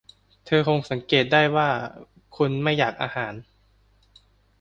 เธอคงสังเกตได้ว่าคุณไม่อยากอาหาร